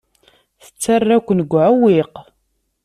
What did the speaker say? Tettarra-ken deg uɛewwiq.